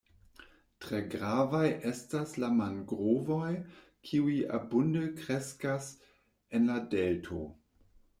Tre gravaj estas la mangrovoj kiuj abunde kreskas en la delto.